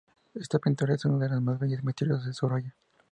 Esta pintura es una de las más bellas y misteriosas de Sorolla.